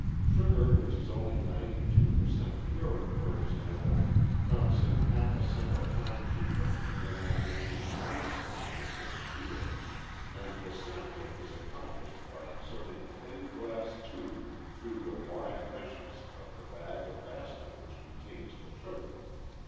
Sugar which is only ninety two per cent pure, for example, comes in half a cent a pound cheaper than that which is ninety six per cent pure, and the sampling is accomplished by inserting a thin glass tube through the wide meshes of the bag or basket which contains the sugar.